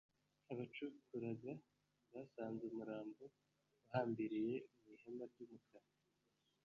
Abacukuraga basanze umurambo uhambiriye mu ihema ry’umukara